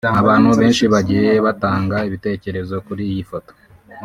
Abantu benshi bagiye batanga ibitekerezo kuri iyi foto